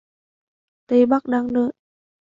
Tây Bắc đang đợi